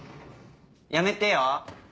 やめてよ？